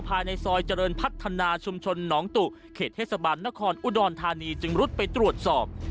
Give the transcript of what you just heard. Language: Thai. ภายในซอยเจริญพัฒนาชุมชนหนองตุเขตเทศบาลนครอุดรธานีจึงรุดไปตรวจสอบ